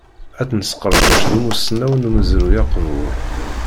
Ad tt-nesqerdec d umusnaw n umezruy aqbur.